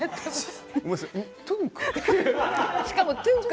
トゥンク。